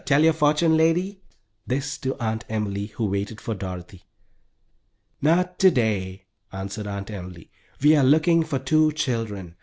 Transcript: Tell your fortune, lady?" This to Aunt Emily, who waited for Dorothy. "Not to day," answered Aunt Emily. "We are looking for two children.